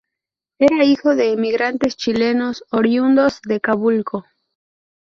Era hijo de inmigrantes chilenos oriundos de Calbuco.